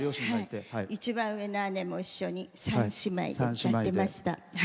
一番上の姉も一緒に３姉妹で歌ってました。